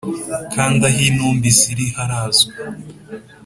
Kandi aho intumbi ziri harazwi